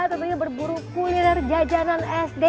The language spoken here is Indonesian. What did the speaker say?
tentunya berburu kuliner jajanan sd